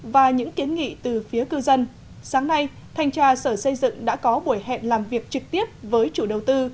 đồng thành trà xã hà nội phía cư dân sáng nay thanh trà sở xây dựng đã có buổi hẹn làm việc trực tiếp với chủ đầu tư